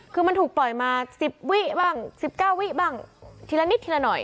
คือมันถูกปล่อยมา๑๐วิบ้าง๑๙วิบ้างทีละนิดทีละหน่อย